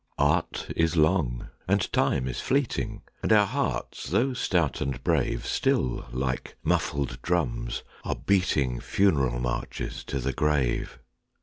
Art is long, and Time is fleeting, And our hearts, though stout and brave, Still, like muffled drums, are beating Funeral marches to the grave.